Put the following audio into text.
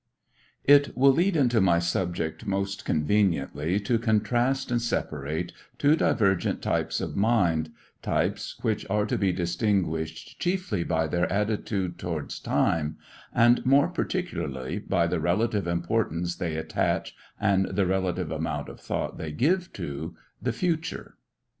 It will lead into my subject most conveniently to contrast and separate two divergent types of mind, types which are to be distinguished chiefly by their attitude toward time, and more particularly by the relative importance they attach and the relative amount of thought they give to the future.